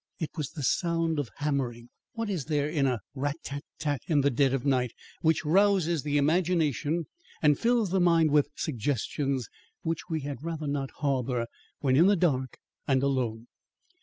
It was the sound of hammering. What is there in a rat tat tat in the dead of night which rouses the imagination and fills the mind with suggestions which we had rather not harbour when in the dark and alone?